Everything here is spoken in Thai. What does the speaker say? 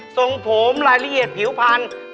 ส่งผมรายละเอียดผิวพันธุ์